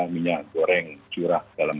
minyak goreng curah dalam